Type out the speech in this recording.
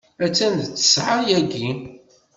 Attan d ttessɛa yagi.